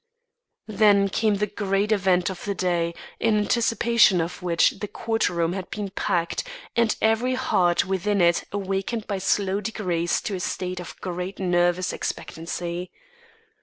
Then came the great event of the day, in anticipation of which the court room had been packed, and every heart within it awakened by slow degrees to a state of great nervous expectancy.